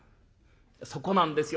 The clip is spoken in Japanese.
「そこなんですよ。